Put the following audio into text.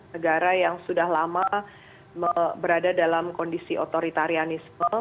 negara yang sudah lama berada dalam kondisi otoritarianisme